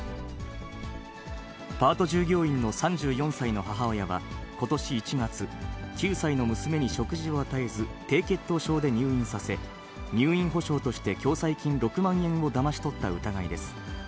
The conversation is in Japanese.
パート従業員の３４歳の母親は、ことし１月、９歳の娘に食事を与えず、低血糖症で入院させ、入院保障として共済金６万円をだまし取った疑いです。